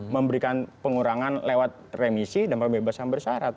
memberikan pengurangan lewat remisi dan pembebasan bersyarat